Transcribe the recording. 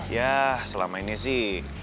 ya selama ini sih